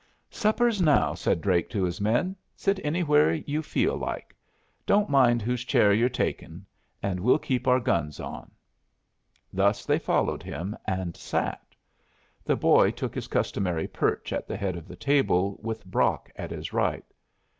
"Supper's now," said Drake to his men. "Sit anywhere you feel like. Don't mind whose chair you're taking and we'll keep our guns on." Thus they followed him, and sat. The boy took his customary perch at the head of the table, with Brock at his right.